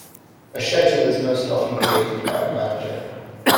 A schedule is most often created by a manager.